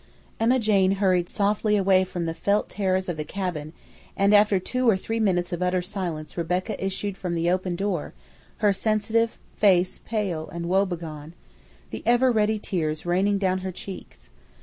Emma Jane hurried softly away from the felt terrors of the cabin, and after two or three minutes of utter silence Rebecca issued from the open door, her sensitive face pale and woe begone, the ever ready tears raining down her cheeks.